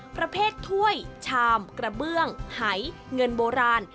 ประเภทถ้วยชามกระเบื้องหายเงินโบราณ